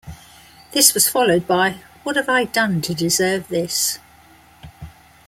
This was followed by What Have I Done to Deserve This?